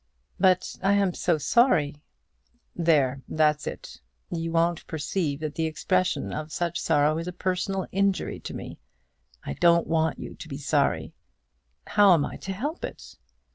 "But I am so sorry." "There, that's it. You won't perceive that the expression of such sorrow is a personal injury to me. I don't want you to be sorry." "How am I to help it?"